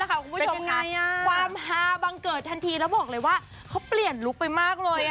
ความหาบังเกิดทันทีแล้วบอกเลยว่าเขาเปลี่ยนลุคไปมากเลย